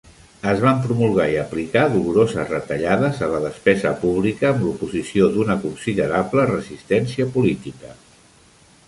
Es van promulgar i aplicar doloroses retallades a la despesa pública amb l'oposició d'una considerable resistència política.